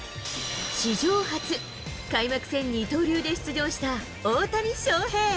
史上初、開幕戦二刀流で出場した大谷翔平。